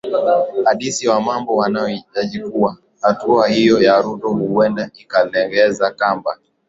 adisi wa mambo wanahojikuwa hatua hiyo ya ruto huenda ikawalegezea kamba